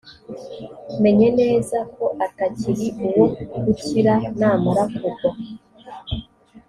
menye neza ko atakiri uwo gukira namara kugwa